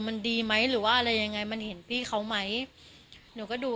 มันดีไหมหรือว่าอะไรยังไงมันเห็นพี่เขาไหมหนูก็ดู